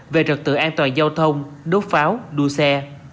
về trật tự an toàn giao thông đốt pháo đua xe